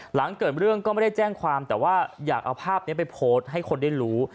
หลังเกิดเรื่องก็ไม่ได้แจ้งความแต่ว่าอยากเอาภาพนี้ไปโพสต์ให้คนได้รู้